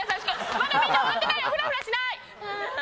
まだみんな終わってないよ、ふらふらしない。